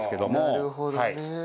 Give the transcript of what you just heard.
なるほどね。